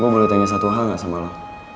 gue boleh tanya satu hal gak sama lo